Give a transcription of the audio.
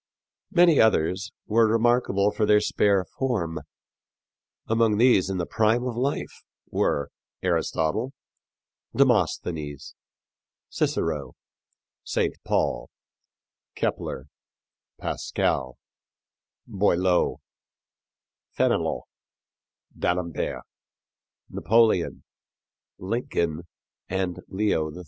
Many others were remarkable for their spare form. Among these in the prime of life were Aristotle, Demosthenes, Cicero, St. Paul, Kepler, Pascal, Boileau, Fénelon, D'Alembert, Napoleon, Lincoln and Leo XIII.